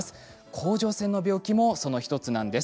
甲状腺の病気もその１つなんです。